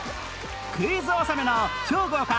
クイズ納めの超豪華！